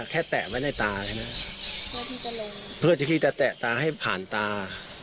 แค่แตะไว้ในตาเลยนะเพื่อที่จะแตะตาให้ผ่านตา